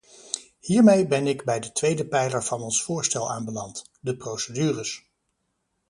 Hiermee ben ik bij de tweede pijler van ons voorstel aanbeland: de procedures.